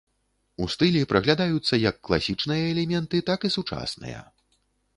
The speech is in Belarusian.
У стылі праглядаюцца як класічныя элементы, так і сучасныя.